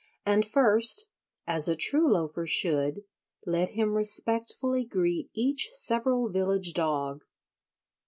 And first, as a true Loafer should, let him respectfully greet each several village dog.